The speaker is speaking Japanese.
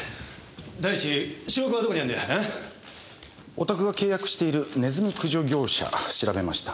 おたくが契約しているネズミ駆除業者調べました。